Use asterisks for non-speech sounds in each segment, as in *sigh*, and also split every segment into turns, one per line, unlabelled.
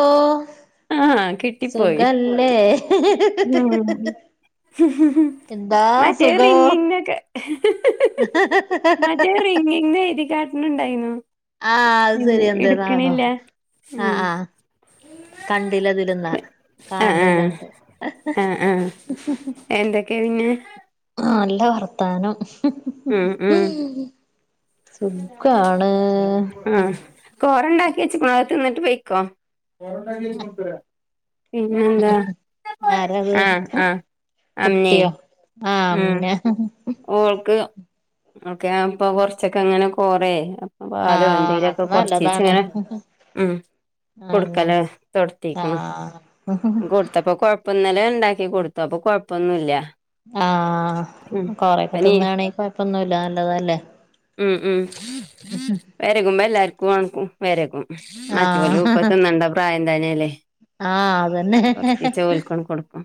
ഓ
ആഹ് ആ കിട്ടിപ്പോയി.
ഇല്ലേ
ഹും ഹും ഹു മറ്റേ റിംഗിങ്ങൊക്കെ മറ്റേ റിംഗിങ് എഴുതികാ ട്ട്ണിണ്ടായിനോ
ആഹ് അത്
ഉം
ശരി എന്തേന്നാവോ
എടുക്കണില്ല ഉം
കണ്ടില്ലതിലെന്നാ
ആഹ് ആഹ്
കാൺണില്ലാണ്ട്
ആഹ് ആഹ് എന്തൊക്കെയ പിന്നെ
ആഹ് നല്ല വർത്താനം
ഉം ഉം
സുഖാണ്
ആ കോറണ്ടാക്കി വെച്ച്ക്ക്ണു അയ്തിന്നിട്ട് പോയിക്കോ കൊറണ്ടാക്കി പിന്നെന്ത
ആരത് കുട്ടിയോ ആഹ് അംന
ഓൾക്ക് ഒക്കെ അപ്പൊ കൊർച്ചൊക്കങ്ങനെ കൊറേ പാലോ
ആഹ് അത്
എന്തേലൊക്കെ
നല്ലതാണ്
കൊറച്ചീച്ചിങ്ങനെ ഉം
അന്നെ
കൊടുക്കലാ തൊട്ത്തീക്കണ്
ആഹ്
ഉം കൊട്ത്തപ്പോ കൊഴ പ്പിന്നലെ ഇണ്ടാക്കി കൊടുത്തു അപ്പൊ കൊഴപ്പൊന്നുല്ല
ആഹ് കോറേക്ക
പനി
തിന്നാണെങ്കി കൊഴപ്പൊന്നുല്ല നല്ലതല്ലേ
ഉം ഉം വെരകുമ്പോ എല്ലാർക്കും *unintelligible* വെരകും മറ്റോലും ഇപ്പ
ആഹ്
തിന്നണ്ട പ്രായം തന്നെയല്ലെ
ആഹ് അതന്നെ
കൊടുക്കും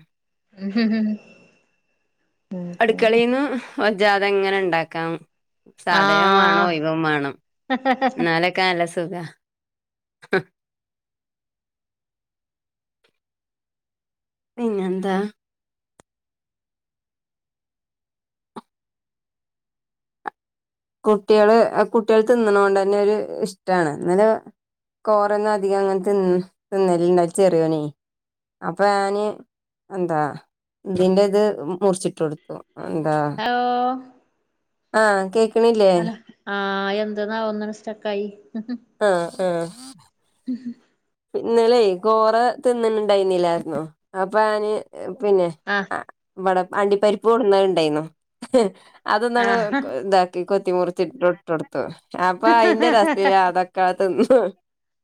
അടുക്കളയീന്ന് ഒജ്ജാത ഇങ്ങനെ ഇണ്ടാക്കാം സാധനവും
ആഹ്
എന്നാലൊക്ക നല്ല സുഖാ *inaudible* പിന്നെന്താ കുട്ടിയള് അഹ് കുട്ടിയള് തിന്ന്നോണ്ടന്നെ ഒര് ഇഷ്ടാണ് അന്നല് കോറൊന്നും അധികം അങ്ങനെ തിന്ന് തിന്നലിണ്ട ചെറിയോന് അപ്പൊ ഞാന് എന്താ ഇതിന്റെത് മുറിച്ചിട്ട് കൊടുത്തു എന്താ
ഹലോ
ആഹ് കേ
ഹലോ ആഹ് എന്ത്ന്നാ ഒന്നിന സ്റ്റക്കായി
ആഹ് ആഹ്
ഉംഹ്
ഇന്നലേ കോറ് തിന്നനിണ്ടായിരുന്നില്ലായിരുന്നോ അപ്പ ഞാന് എഹ് പിന്നെ
ആഹ്
അ ഇവട അണ്ടിപരിപ്പ് കൊണ്ടന്ന ഇണ്ടായിരുന്നു അതൊന്നണ്
ആഹ്
ക് ഇതാ ‌ക്കി കൊത്തി മുറിച്ചിട്ട് ഇട്ട് ഇട്ടൊടുത്തു അപ്പൊ അയിന്റെ രസ്ത്തിലതൊക്കെ തിന്ന്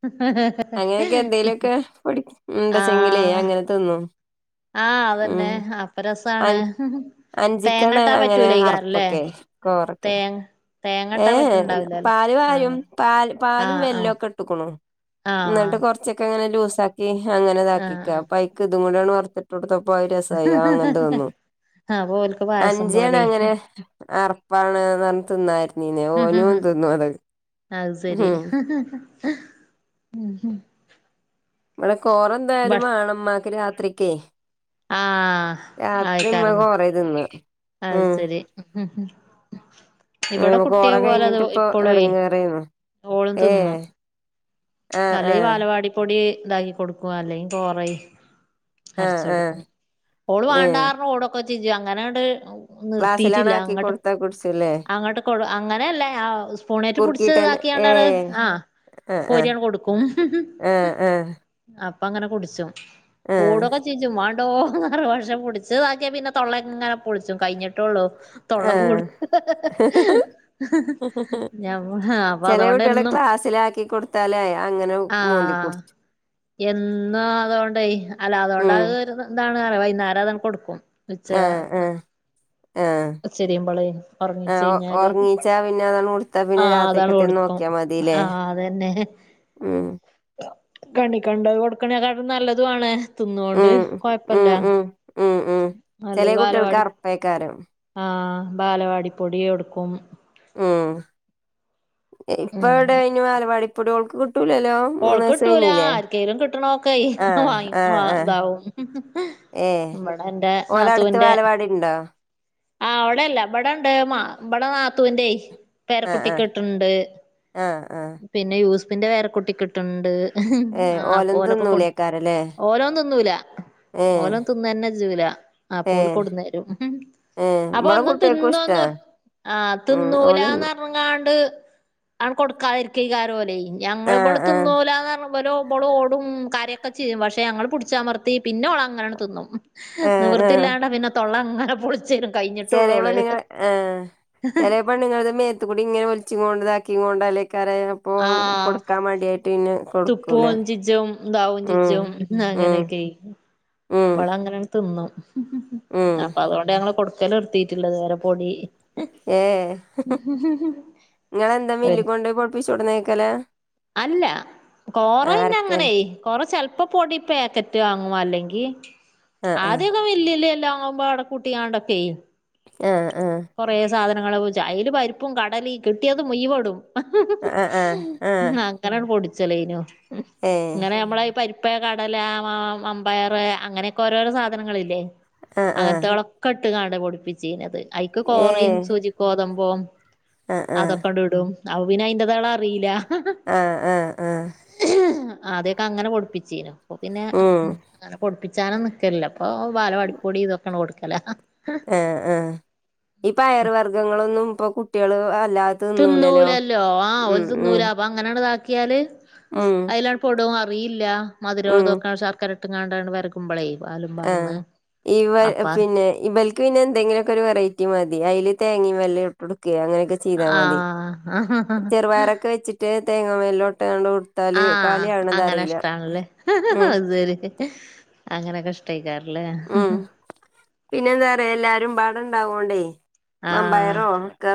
ഹ്
അങ്ങനെക്കെ എന്തെങ്കിലൊക്കെ പൊടി ഉം ഇണ്ടെച്ചെങ്കിലെ
ആഹ്
അങ്ങനെ തിന്നും
ആഹ് അതന്നെ
ഉം
അപ്പ രസാണ്
അൻ അഞ്ചിക്കാണ്
തേങ്ങട്ടാൻ
അങ്ങനെ
പറ്റൂലേയ്ക്കാരല്ലേ
അറുപ്പൊക്കെ കോറൊക്കെ
തേങ്ങ തേങ്ങട്ടാൻ
ഏഹ്
പറ്റ്ണ്ടാവില്ലല്ലേ
പാല് വായും
ആഹ്
പാല് പാലും
ആഹ് ആഹ്
വെല്ലൊക്കെ ടുക്കുള്ളു
ആഹ്
എന്നിട്ട് കൊറച്ചൊക്കിങ്ങനെ ലൂസാക്കി ഹങ്ങനെ
ആഹ് ആഹ്
ഇതാക്കിക്കാപ്പൈ ക്കിതും കൂട്യണ് വർത്തിട്ടൊടുത്തപ്പോ അയ് രസായി അഹ് അങ്ങനെ തിന്നു
അപ്പൊ ഓൽക്ക് വ
അഞ്ചിയാണങ്ങനെ അറപ്പാണ് എന്നറഞ്ഞ് തിന്നാരി നിന്നെ ഓനും തിന്നു അത് ഉം
ഏഹ് ഉം ഉം
ഇവിടെ കോറെന്തായാലുവേണം ഇമ്മാക്ക് രാത്രിക്കെ
ആഹ്
രാത്രി ഇമ്മ
ആയിക്കാരന്ന്
കോറേ തിന്ന്
അത് ശെരി ഇവിടെ
ഉം കോറ
കുട്ടിയെ പോലെ അത്
കഴിഞ്ഞിട്ട് ഇപ്പൊ
ഇപ്പളൊയ്
എടങ്ങേറേന്നു
ഓള്
ഏ
തിന്നും
ആഹ്
അല്ലെ
ആഹ്
വാലവാടിപ്പൊടി ഇതാക്കി കൊടുക്കും അല്ലെ കോറയ്
ആഹ്
അരച്ചു
ആഹ്
കൊടുക്കും ഓള്
ഏ
വാണ്ടറിഞ് ഓടൊക്കെ ചെജും അങ്ങനാണ്ട്
ക്ലാസ്സിലാണ്
നിർത്തിയിട്ടില്ല
ആക്കി
അങ്ങോട്ട്
കൊടുത്താ കുടിച്ചുല്ലേ
അങ്ങോട്ട് കൊ അങ്ങനെയല്ലേ ആഹ് ഫൂണേറ്റ് പിടിച്ച
കുറുക്കിട്ടന്നെ ഏ
ഇതാക്കിയണ്ടാണ് ആഹ്
ആ ആ
കോരിയാണ് കൊടുക്കും
ആ ആ
അപ്പ അങ്ങനെ കുടിച്ചും
ആ
ഓടൊക്കെ ചെജും വൺ *unintelligible* വശം പിടിച്ചുതാക്കിയ പിന്നെ തൊള്ള ഇങ്ങനെ പൊള്ച്ചു കഴിഞ്ഞിട്ടുള്ളൂ
ആ
തൊള്ളകൂട് ഞമ് ആഹ്
ചെലെ കുട്ടികള് ക്ലാസ്സിലാക്കി കൊടുത്താലേ അങ്ങനെ മോന്തി കുടിച്ചു
എന്നു അതുകൊണ്ടയ് അല്ല
ഉം
അതുകൊണ്ടാത് വരുന്ന് എന്താണ്പറയാ വൈകുന്നേരം അതാണ്ട് കൊടുക്കും ഉച്ച
ആ ആ ആ
ചെരിമ്പളെ
ആ ഒ
ഒർങ്ങീച്ചഴിഞ്ഞാല്
ഒറങ്ങീച്ചാ പിന്നെ അതാണ് കൊടുത്താ പിന്നെ
ആഹ് അതാണ്
രാത്രിക്കത്തെ
കൊടുക്കും
നോക്കിയാ മതില്ലേ
ആഹ് അതന്നെ
ഉം
കണി കണ്ട കൊടുക്കണക്കാണ്ടും നല്ലതുണ് തിന്നുകൊണ്ട്
ഉം
കൊഴപ്പല്ല
ഉം ഉം ഉം ഉം ചെല
അല്ലേ
കുട്ടികൾക്ക്
ബാലവാടി
അറുപ്പേക്കാരം
ആഹ് ബാലവാടി പൊടി എടുക്കും
ഉം ഇപ്പ
ഉം
എവിടെ എയ്നു വാലബാടിപൊടി ഓള്ക്ക് കിട്ടൂലല്ലോ മൂന്ന് വയസ്സ്
ഓൾക്ക്ട്ടൂല
കഴിഞ്ഞില്ലേ
ആർക്കെലും കിട്ട്ണോക്കെ
ആ
വാങ്ങി
ആ ആ
ഇതാവും
ഏ
ഇവിടെ ഇന്റെ
ഓലെ അടുത്ത്
നാത്തൂന്റെ
ബാലവാടി ഉണ്ടോ
ആഹ് അവ്ടല്ല ഇവിടണ്ട് മാ ഇബടെ നാത്തൂന്റെയ്
ആ
പേരക്കുട്ടി
ആ
കെ ഇട്ടുണ്ട്
ആ ആ
പിന്നെ യൂസഫിന്റെ പേരക്കുട്ടി ണ്ട്
ഏ ഓലും
ആഹ്പ്പോലൊക്കെ കൊടു
തിന്നൂലേക്കാരല്ലേ
ഓലോ തിന്നൂല
ഏ
ഓലം തിന്നന്നെജൂല
ഏ
ആപ്പോഓല് കൊടുന്നേരും
ഏ
അപ്പൊ
ഇവിടെ
ഒന്നും
കുട്ടികൾക്കും ഇഷ്ടാ
തിന്നന്ന ആഹ്
ഉം ഓല് തിന്നും
തിന്നൂലാന്നർ ആണ്ട് കൊടുക്കാതിരിക്കേകാരം ഓലെ
ആ
ഞങ്ങള് ബ്ള്
ആ
ഇബളോടും കാര്യൊക്കെ ചെയ്യും പക്ഷെ ഞങ്ങൾ പുടിച്ചമർത്തി പിന്നെ ഓളാ ങ്ങ തിന്നും
ആ ആ
നിവർത്തില്ലാ പിന്നെ തൊള്ള അങ്ങനെ പൊളിച്ചരും
ചില
കഴിഞ്ഞിട്ടൊള്ളു ഓള്
പെണ്ണ്ങ്ങൾ ഏ ചില പെണ്ങ്ങളുടെ മേത്തുകൂടി ഇങ്ങനെ ഒലിച്ച ഇതാക്കി കൊണ്ട അല്ലേക്കാര അപ്പോ
ആഹ്
കൊടുക്കാൻ മടിയെ ടിന്നെ
തുപ്പും ചിജും ദാവും ചിജും
ഉം
അങ്ങനെയൊക്കെ
ഉം
ഇബള അങ്ങനെ തിന്നും
ഉം
അപ്പൊ അതുകൊണ്ട് ഞങ്ങള് കൊടുക്കല നിർത്തീട്ടില്ല ത് വേരെ പൊടി
ഏഹ് നിങ്ങളെന്താ മില്ലിക്കൊണ്ട് പൊടിപ്പിച്ചോടന്ന്ക്കല
അല്ല കൊറ പിന്നെ അങ്ങനെ
അരക്കല്
കൊറ ചെൽ പ്പൊ പൊടി പാക്കറ്റ് വാങ്ങും അല്ലെങ്കിൽ
ആ ആ
ആദ്യം വല്യല്യാ എല്ലാവുമ്പോ അട് പൂട്ടിയാണ്ടൊക്കെയ്
ആഹ് ആഹ്
കുറെ സാധനങ്ങൾ അയിലെ പരിപ്പും കടലിം കിട്ടിയത് മുഴുവടും
ആ ആ ആ
അങ്ങനെയാണ് പൊടിച്ചലേനു
ഏ
ഇങ്ങനെ നമ്മള ഈ പരി പ്പ് കടല അമ്പയർ അങ്ങനെയൊക്കെ ഓരോരോ സാധനങ്ങളല്ലേ
ആ ആ
അങ്ങനത്തോളെ കട്ട്കാണ്ട പൊടിപ്പിച്ചീനത് അയ്ക്ക്
ഏ
കോറയും ശുചിക്കോതമ്പോം
ആ ആ
അതൊക്കെണ്ട ഇടും അപ്പ പിന്നെ അയിന്റതാള അറിയില്ല
ആഹ് ആഹ്
അദ്യക്കെ അങ്ങനെ കൊടുപ്പിച്ചീനു ഇപ്പൊ പിന്നെ
ഉം
അനെ പൊട്പ്പി ച്ചാനും നിക്കല്ല അപ്പൊ ബാലവാടിപ്പൊടി ഇതൊക്കാണ് കൊടുക്കല
ആഹ് ആഹ് ഈ പയറ് വർഗങ്ങളൊന്നും ഇപ്പ കുട്ടികള് അല്ലാ
തിുന്നൂലല്ലോ ആഹ് ഓല് തിന്നൂല അപ്പൊ അ അങ്ങനെണ്ട് ഇതാക്കിയാല്
ഉം
അതിലാണ് പൊടും അറിയില്ല
ഉം
മധുരള്ളതക്കോ ഷർക്കര ട്ട്കാണ്ട് ആണ്ട് വെര് കുമ്പളൈ വാല്
ആഹ് ഇവ പിന്നെ ഇവൽ പിന്നെ എന്തെലൊക്കെ ഒരു വെറൈറ്റി മതി അതില് തേങ്ങി വല്ല ഇട്ട്ടുക്കെ അങ്ങനൊക്കെ ചെയ്താ മതി
ആഹ്
ചെറുപയാരൊക്കെ വെച്ചിട്ട് തേങ്ങാ മേലോട്ടണ്ട് ഒഡ്
ആഹ് അങ്ങനെ ഇഷ്ടണല്ലേ
ഉം
അത് ശരി അങ്ങനെയൊക്കെ ഇഷ്ടക്കാറല്ലേ
ഉം പിന്നെന്താറയാ എല്ലാരും പാടണ്ടാവോണ്ടേ
ആഹ്
മമ്പയറോ ഒക്കെ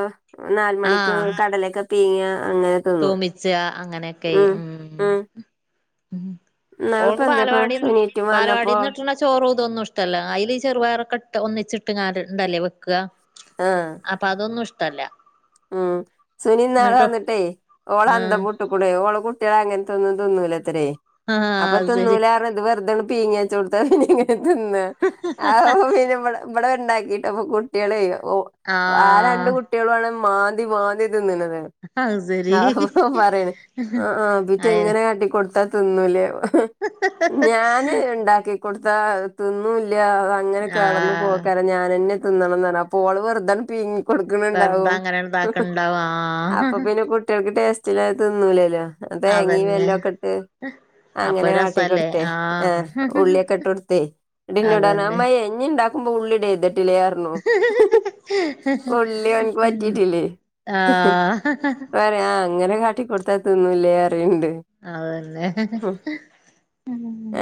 നാല മണിക് കടലക്കെ പീങ്ങ അങ്ങനെക്ക്
തോമിച്ച അങ്ങനെയൊക്കെ ഉമ്
ഉം
ഉമ്
ഇന്നാളിപ്പോ
ഓൾക്ക്
എന്തേപ്പ
ബാലവാടിന്ന്
സുനീറ്റും വന്നപ്പോ
ബാലവാടിന്ന് ട്ടണ ചോറും ഇതൊന്നും ഇഷ്ടല്ല അയ്ല് ഇ ചെറുപയറൊക്കെ് ഒന്നിച്ചിട്ട്ങ്ങ ഇണ്ടല്ലേ വെക്ക
ആഹ്
അപ്പൊ അതൊന്നും ഇഷ്ടല്ല
ഉം സുനിന്നാളെ
എന്നിട്ടോ
വന്നിട്ടേ ഓള
ആഹ്
അന്തം പൂട്ട് ഓളെ കുട്ടിയാള് അങ്ങനെ തന്നും തിന്നൂലത്രേ
ആഹ്
അപ്പൊ
അത് ശരി
തിന്നൂലരഞ ഇത് വെറുതെഅന് പീങ്ങ ചോടുത്താ പിന്ന ഇങ്ങനെ തിന്ന ആ പി ന ഇബ്ടെ ണ്ടാക്കിട്ട്പ്പൊ കുട്ടിആളെ ഓ ആ
ആഹ്
രണ്ട കുട്ടികള ആണ് മാന്തി വാന്തി തിന്നണത്
ആത് സ്
ആ പറയണ് ആഹ് ആഹ് പിറ്റെ
അയനെ
എങ്ങനൊട്ടൊടുത്ത തിന്നുലെ ഞാന് ഉണ്ടാക്കി കൊടുത്ത അത് തിനന്നുല്ല അങ്ങനെ കടന്ന്
ആഹ്
പോക്കാര ഞാൻെന്നെ തിണംന്നാണ് പോള് വെറുതെ പീങ്ങി
വെറുതെ
കൊടുക്കണുണ്ടാവും
അങ്ങനെ ഇതാക്കണ്ടാവും
അപ്പൊ
ആഹ്
പിന്നെ കുട്ടികൾക്ക് ടേസ്റ്റില്ല തിന്നൂലല്ലോ അത എേങ്ങിയ
അതന്നെ
വല്ല ഒക്കെ ഇട്ട്
അപ്പൊ
അങ്ങനെ കാട്ടി
രസല്ലേ
കൊടുത്തെ ആഹ് ഉള്ളിയൊക്കെ ഇട്ട് കൊടുത്തേ ഇന്നട്ടെന്നോടാറഞ്
അതന്നെ
അമ്മയേ ഇണ്ടാക്കുമ്പോ ഉള്ളിടെഴതട്ടില്ലറഞ് ഓനിക്ക് പറ്റിട്ടില്ലേ
ആഹ്
പറയാ ആഹ് അങ്ങനെ കാട്ടിക്കൊടുത്താതിന്നുല്ലേ അറിണ്ട്
അത് തന്നെ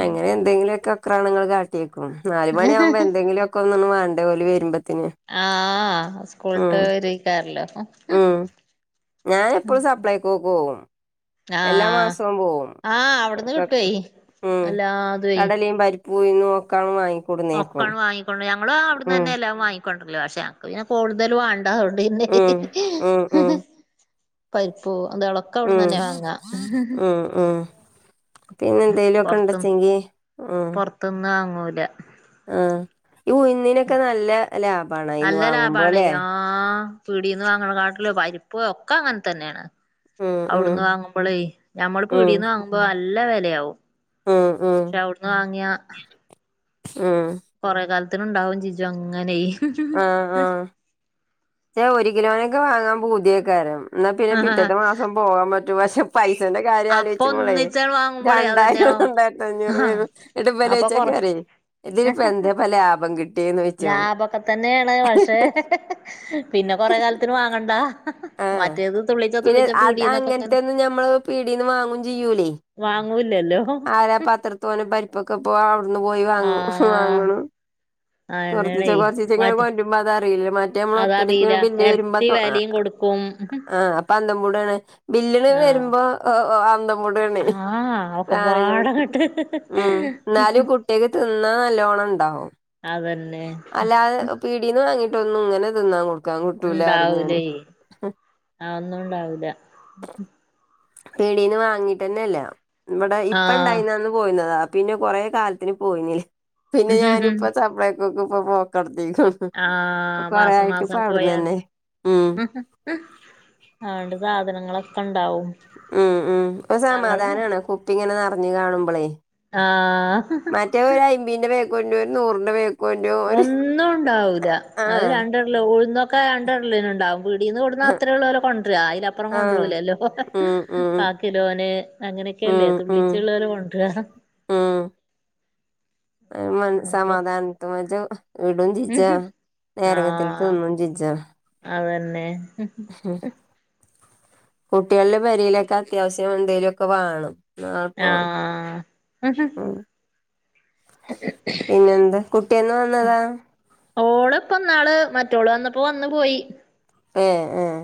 അങ്ങനെ എന്തെങ്കിലോക്കെ അക്രണങ്ങങ്ങള്ൾ കാട്ടിയേക്കും നാലല് മണിയാവുമ്പോ എന്തെങ്കിലുക്ക ഒന്ന്ണ് വേണ്ടേ ഓല് വരുമ്പോത്
ആഹ് സ്കൂളട്ട് വരെക്കാറല്ലോ
ഉം ഞാൻ എപ്പോഴും സപ്ലൈക്ക്ക്കവും എല്ലാ
ആഹ്
മാസവും പോവും
ആഹ് അവിടുന്ന് കിട്ടുവേ
ഉം
എല്ലാതുവേ
കടലയും പരിപ്പൂയുന്നും ഒക്കാണ് വാങ്ങിക്ക
ഒക്കണ് വാങ്ങിക്കൊണ്ട് ഞങ്ങള് അവിടന്നെല്ലാം വാങ്ങിക്കൊണ്ടര് ല്ലേ പക്ഷേഞങ്ങക്ക് പിന്നെ കൂടുതൽ വേണ്ടത പിന്നെ
ഉം ഉം ഉം
പരിപ്പു അന്തള അക്കവിട തന്നെ വങ്ങ
ഉമ് ഉമ് പിന്നെ എന്തെലുഒക്കെ ഉണ്ടച്ചെങ്കി ഉമ്
തിന്നാങ്ങൂല
ആഹ് ഈ ഉയുന്നിനൊക്കെ നല്ല ലാഭണയിന്ന് വാങ്ങുമ്പോലെ
ആഹ് പീടീന്ന് വാങ്ങണകാട്ടിലും പരിപ് ഒക്കെ അങ്ങനെ തന്നെയാണ്
ഉം ഉം
അവിടുന്ന് വാങ്ങുമ്പോളേ ഞമ്മള് പീടീന്ന് വാങ്ങുമ്പോ നല്ല വെലയാവും
ഉംഉം
പക്ഷെ അവിടുന്ന് വാങ്ങിയ
ഉമ്
കൊറെ കാലത്തിനണ്ടാവും ചീജും അങ്ങനെ.
ആഹ് ആഹ് ഒരു കിലോനൊക്കെ വാങ്ങാൻ പുതിയൊക്കരം. എന്നാ പിന്നെ പിറ്റേത്തെ മാസം പോകാൻ പറ്റും വശം. പൈസന്റെ കാര്യം
അപ്പൊ
ആലോചിച്ചു ബളേ
ഒന്നിച്ചാണ് വാങ്ങുമ്പോളേ
രണ്ടായിരം
അതന്നെയോ
രണ്ടായിരത്തി അഞ്ഞൂറ്
ആഹ്
വരും. ഇത് ഇമ്പല്
അപ്പൊ കൊറ
ചോയ്ച്ച്ക്കരം ഇതിലപ്പോ എന്താ പംലഭം കിട്ടിയന്ന് ചോച്ചും.
ക്കെ തന്നെയാണ് പക്ഷേ പിന്നെ കൊറെ കാലത്തിന് വാങ്ങണ്ടാ.
ആഹ് പിന്നെ അത്
പീടീന്നൊക്കെ ഇങ്ങനെ
അങ്ങനത്തെ ഒന്നും ഞമ്മൾ പീടിന്ന് വാങ്ങും ചെയ്യൂലേ?
വാങ്ങൂലല്ലോ
ആരാ പ ആത്രത്തോനെ പരിപ്പൊക്കെ ഇപ്പോ അവിടുന്ന് പോയി വാങ്ങ
ആഹ്
വാങ്ങ്ണ്. കൊറച്ചിച്ചെ
അയന്നെണേ
കൊറൊച്ചിച്ചെ ഇങ്ങനെ
മറ്റേ
കൊണ്ടുവരുമ്പോ അത് അറിയില്ലലോ മറ്റ മറ്റേ നമ്മള് ഒറ്റടിക്ക് പിന്നെ വരുമ്പോ
കും.
ആഹ് അപ്പൊ അന്തം വിടാണ്
ആഹ്
ബില്ല്ലവരുമ്പോ അഹ് അഹ് ഓടണേ
ആഹ്
സാധനങ്ങൾ എടുത്തിട്ട്
ഒക്കെപാടങ്ങട്ട്
ഉം എന്നാലും കുട്ടികൾക്ക് തിന്നാ നല്ലോണം ഉണ്ടാവും.
അതന്നെ.
പിടിന് വാങ്ങിട്ട്ന്നും ഇങ്ങനെ തിന്നാൻ കൊടുക്കാൻ കുട്ടൂലാന്ന് പറഞ്ഞ് ഞാന്
ഉണ്ടാവൂലേ ആഹ് ഒന്നും ഉണ്ടാവുല്ല.
പീടീന്ന് വാങ്ങിട്ട് തന്നെ ഇല്ല ഇവടെ ഇപ്പ
ആഹ്
ഇണ്ടായിന്നന്ന് പോയിന്നത. പിന്നെ കൊറ കാലത്തിന് പോയിന്നില്ല. പിന്നെ ഞാനിപ്പ സപ്ളെയിക്കൊക്കെ ഇപ്പൊ പോക്കടത്തിക്ക്ണ്. ഇപ്പൊ
ആഹ്
കൊറേ
മാസം
ആയിട്ട് ഇപ്പ
മാസം
അവിടന്ന്
പോയാൽ.
തന്നെ ഉം
അതണ്ട് സാധനങ്ങളൊക്കെ ഉണ്ടാവും.
ഉം ഉം ഇപ്പ
ഞങ്ങളും
സമാധാനമാണ് കുപ്പിങ്ങനെ നറഞ്ഞു കാണുമ്പോളേ?
ആഹ്
മറ്റേ ഒരു അയിമ്പിന്റെ പേക്കണ്ട് ഒരു നൂറിന്റെ പേക്ക
ഒന്നും ഉണ്ടാവില്ല അത്
ആഹ്
രണ്ട് ല്ല ഉഴന്നൊക്കെ രണ്ട് ഇടലിന് ഉണ്ടാവും പീടിന്ന് കോണ്ടുവന്നാ അത്ര ഉള്ള പോലേ കൊണ്ടുവരാ അ *unintelligible*
ആഹ്
കൊണ്ടലല്ലോ
ഉം ഉം
ക കിലോന് അങ്ങനെയൊക്കെയല്ലേ തുള്ളിച്ചുള്ളവരെ കൊണ്ടര.
ആഹ് മ
അപ്പൊ
സമാധാനത്ത മജ ഇടും ചൊച്ചാ നേരങ്ങത്തിൽ തിന്നും ചൊച്ചാ.
തന്നെ
ഉം കുട്ടിക്ളുടെ പെരിയിലൊക്കെ അത്യാവശ്യം എന്തേങ്കലുമൊക്കെ വാണം. ഞൻപോ
ആഹ്
ഉം പിന്നെ എന്ത് കുട്ടിന്ന് വന്നതാ?
ഓള് ഇപ്പന്നാള് മറ്റോള് വന്നപ്പോ വന്ന് പോയി.
ഏഹ് ഏഹ്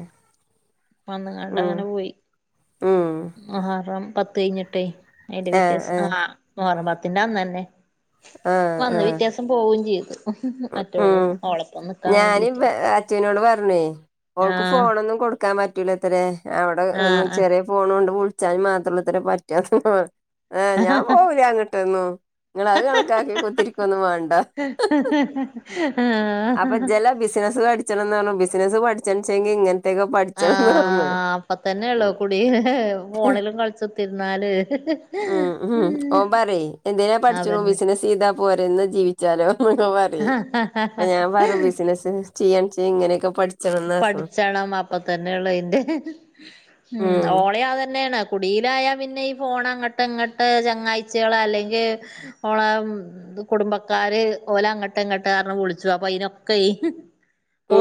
വന്ന് ങണ്ട് അങ്ങനെ പോയി
ഉം
മുഹറം പത്ത് കഴിഞ്ഞിട്ടേ അയിന്റെ പിറ്റേദിവസം ആഹ് മുഹറം പത്തിന്റെ അന്ന് തന്നെ
ആഹ്
വന്ന്
ആഹ്
പിറ്റേ ദിവസം പോവും ചെയ്തു മറ്റോള് ഓളപ്പന്ന് നിക്കാൻ വേണ്ടിട്ട്.
അച്ചുനോട് പറഞ്ഞേ അവൾക്ക് ഫോണൊന്നും കൊടുക്കാൻ പറ്റൂല അത്രേ അവിടെ
ആഹ് ആഹ്
ചെറിയ ഫോൺ കൊണ്ട് വിളിച്ചാന് മാത്രമുള്ളത്ര പറ്റാ ഏ്ഹ് ഞാൻ പോവുല അങ്ങോട്ടൊന്നു. നിങ്ങൾ അത് കണക്കാക്കി കുത്തിരിക്കൊന്നും വേണ്ട.
*inaudible*
അപ്പൊ ജെല ബിസിനസ്സ് പഠിച്ചണം പറഞ്ഞു. ബിസിനസ്സ് പഠിച്ചച്ചെങ്കി ഇങ്ങന ഇങ്ങനത്തെ ഒക്കെ പഠിച്ചണം എന്ന് പറഞ്ഞ്.
അപ്പ തന്നെയുള്ളോ കുടി ഫോണിലും കളിച്ചത്തിരുന്നാല്.
ഉം ഉം
ആഹ്
ഓൻ പറയേ എന്തിനാ പഠിച്ച്ണു ബിസിനസ് ചെയ്താ പോരന്ന് എന്ന ജീവിച്ചാലോ? അഹ് ഞാൻ പറഞ്ഞ് ബിസിനസ് ചെയ്യാ ചെയ്യ ഇങ്ങനെയൊക്കെ പഠി
പഠിച്ചണം അപ്പൊ തന്നെയള്ളൂ ഇതിന്റെ ഉം ഓളയിന്റെ അതന്നെയാണോ കുടിയിലായാൽ പിന്നെ ഈ ഫോൺ അങ്ങോട്ട് ഇങ്ങട്ട് ചങ്ങായിച്ചിക്കൾ അല്ലെങ്കിൽ ഓള എന്ത് കുടുംബക്കാര് ഓലെ അങ്ങോട്ട അങ്ങോട്ട കാരന വിളിച്ചു അപ്പൊ അതിനൊക്കെ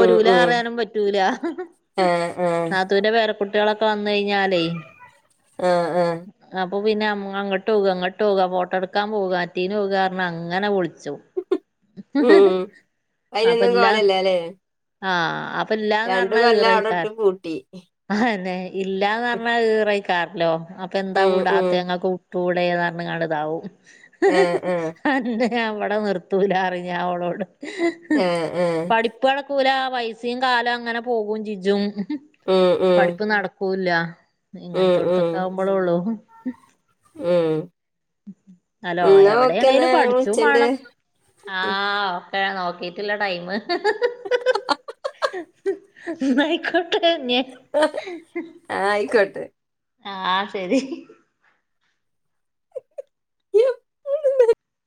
ഉം ഉം
പറയാനും പറ്റൂല
ആഹ് ആഹ്
നാത്തൂന്റെ പേരക്കുട്ടികളൊക്കെ ഇപ്പ വന്ന് കഴിഞ്ഞാലേ
ആഹ് ആഹ്
അപ്പൊ പിന്നെ അങ്ങോട്ട് പോ അങ്ങട്ട് പോക ഫോട്ടോ എടുക്കാൻ പോവറ്റീന് പോക്കാന്ന് പറഞ്ഞ് അങ്ങനെ വിളിച്ചു
ഉം
അപ്പൊ
അയിനൊന്നും
ഇല്ല
കോലല്ലാലേ
ആഹ് അപ്പൊ ഇല്ലാന്ന് പറഞ്ഞാ
അവിടെ
കീറിക്കാൻ
ഇട്ട് പൂട്ടി
ആഹ്ന്നെ ഇല്ലാന്ന് പറഞ്ഞാ കീറായിക്കാറല്ലോ അപ്പൊ എന്താ
ഉം
കൂടാ
ഉം
സത്യങ്ങൾക്ക് ഉട്ട കൂടെന്ന് പറഞ്ഞ കണതാവും ഹ്
ആഹ് ആഹ്
അന്നെ ഞ അവിടെ നിർത്തൂല അറിഞ്ഞ അവളോട്
ആഹ് ആഹ്
പഠിപ്പളക്കൂല ആ പൈസയും കാലം അങ്ങനെ പോകും ചിജും
ഉം ഉം
പഠിപ്പ് നടക്കൂല്ല
ഉം
ഇങ്ങനത്തെ
ഉം
ഇടത്തൊക്കെ ആവുമ്പോഴേ ഉള്ളൂ
ഉം
ഹലോ
ന്നാ ഓക്കെ എന്നാ
എവിടെയാണേലും
ഞൻ
പഠിച്ചും
വിളിച്ചിണ്ട്
മാണം ആഹ് ഒക്കെ നോക്കിട്ടില്ല ടൈമ് ഹ് ഹ് ഹ് ന്നായിക്കോട്ടെ ഞൻ
ആഹ് ആയിക്കോട്ടെ
ആഹ് ശരി